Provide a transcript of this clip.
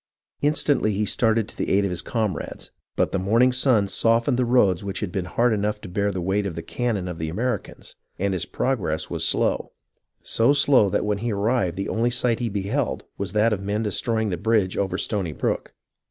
Instantly he started to the aid of his comrades, but the morning sun softened the roads which had been hard enough to bear the weight of the cannon of the Ameri cans, and his progress was slow, so slow that when he arrived the only sight he beheld was that of men destroy ing the bridge over Stony Brook.